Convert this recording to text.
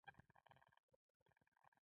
لوړ کښېنم.